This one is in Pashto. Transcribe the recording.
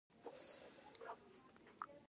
د زابل ارغنداب بند د ساساني انجینر دی